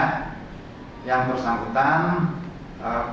pistol setengah teman karen